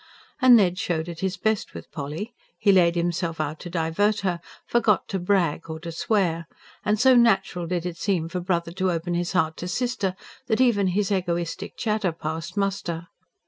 And Ned showed at his best with Polly: he laid himself out to divert her; forgot to brag or to swear; and so natural did it seem for brother to open his heart to sister that even his egoistic chatter passed muster.